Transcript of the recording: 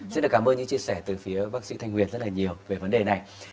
xin được cảm ơn những chia sẻ từ phía bác sĩ thanh huyền rất là nhiều về vấn đề này